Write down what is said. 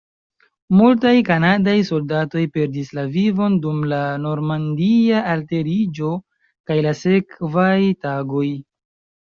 Multaj kanadaj soldatoj perdis la vivon dum la Normandia alteriĝo kaj la sekvaj tagoj.